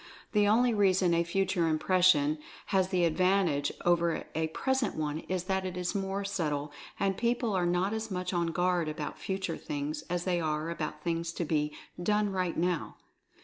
The only reason a Future Impression has the advantage over a present one is that it is more subtle, and people are not as much on guard about future things as they are about things to be "done right now."